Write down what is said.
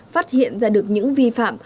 phát hiện ra được những vi phạm